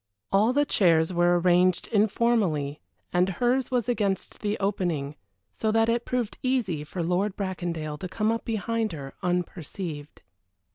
All the chairs were arranged informally, and hers was against the opening, so that it proved easy for Lord Bracondale to come up behind her unperceived.